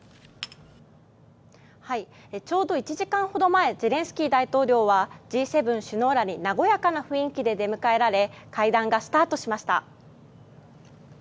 はいちょうど１時間ほど前ゼレンスキー大統領はＧ７首脳らが和やかな雰囲気で出迎えられ会談がスタートしました。